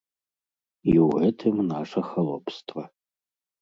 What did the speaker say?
І ў гэтым наша халопства.